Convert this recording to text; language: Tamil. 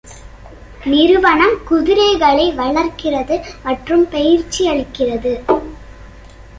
நிறுவனம் குதிரைகளை வளர்க்கிறது மற்றும் பயிற்சி அளிக்கிறது.